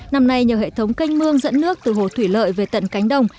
năm nay nhờ hệ thống canh mương dẫn nước từ hồ thủy lợi về tận cánh đồng